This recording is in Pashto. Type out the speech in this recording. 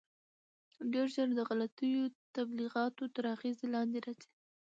ډېر ژر د غلطو تبلیغاتو تر اغېز لاندې راځي.